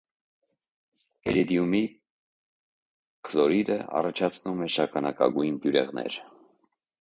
Իրիդիումի քլորիդը առաջացնում է շագանակագույն բյուրեղներ։